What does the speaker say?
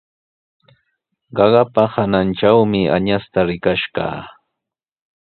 Qaqapa hanantrawmi añasta rikash kaa.